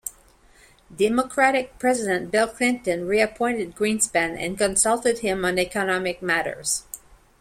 Democratic president Bill Clinton reappointed Greenspan, and consulted him on economic matters.